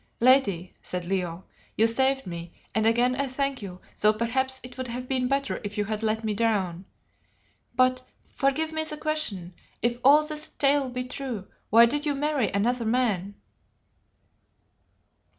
"Lady," said Leo, "you saved me, and again I thank you, though perhaps it would have been better if you had let me drown. But, forgive me the question, if all this tale be true, why did you marry another man?"